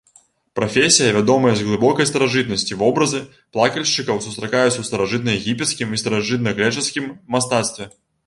Прафесія вядомая з глыбокай старажытнасці, вобразы плакальшчыкаў сустракаюцца ў старажытнаегіпецкім і старажытнагрэчаскім мастацтве.